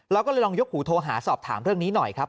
เราก็เลยลองยกหูโทรหาสอบถามเรื่องนี้หน่อยครับ